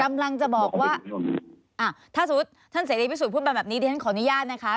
กำลังจะบอกว่าถ้าสมมุติท่านเสรีพิสุทธิพูดมาแบบนี้ดิฉันขออนุญาตนะคะ